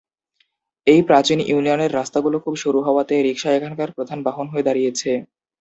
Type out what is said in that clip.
এই প্রাচীন ইউনিয়নের রাস্তাগুলো খুব সরু হওয়াতে রিকশা এখানকার প্রধান বাহন হয়ে দাঁড়িয়েছে।